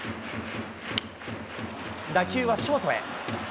打球はショートへ。